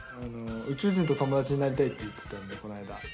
宇宙人と友達になりたいって言っていたのでこの間。